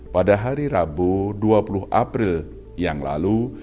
pada hari rabu dua puluh april yang lalu